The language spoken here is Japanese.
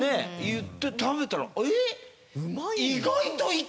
言って食べたらえーっ！